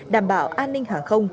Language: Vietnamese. đảm bảo an ninh hàng không